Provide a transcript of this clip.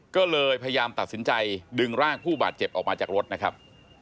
ก็เลยพยายามตัดสินใจดึงร่างผู้บาดเจ็บออกมาจากรถนะครับ